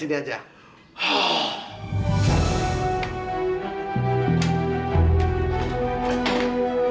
saya di sini aja